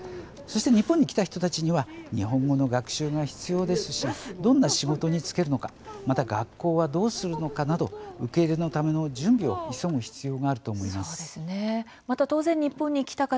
そして、日本に来た人たちには日本語の学習が必要ですしどんな仕事に就けるのかまた学校はどうするのかなど受け入れのための準備を急ぐ必要があると思います。